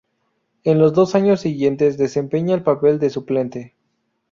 En los dos años siguientes, desempeña el papel de suplente.